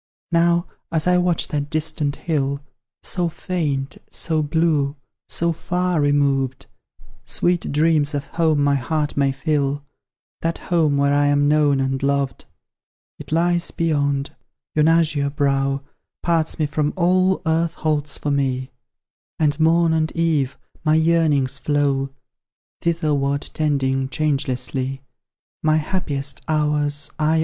Now, as I watch that distant hill, So faint, so blue, so far removed, Sweet dreams of home my heart may fill, That home where I am known and loved: It lies beyond; yon azure brow Parts me from all Earth holds for me; And, morn and eve, my yearnings flow Thitherward tending, changelessly. My happiest hours, aye!